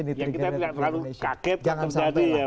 ya kita tidak terlalu kaget